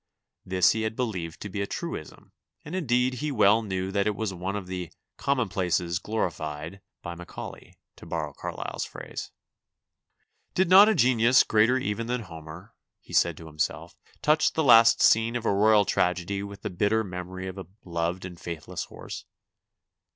This he had beUeved to be a truism and indeed he well knew that it was one of the "commonplaces, glorified" by Macaulay, to borrow Carlyle's phrase. Did not a genius greater even than Homer, he said to himself, touch the last scene of a royal tragedy with the bitter memory of a loved and faithless horse?